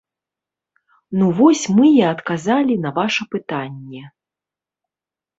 Ну вось мы і адказалі на ваша пытанне!